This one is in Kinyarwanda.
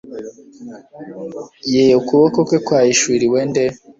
Ye ukuboko kwe kwahishuriwe nde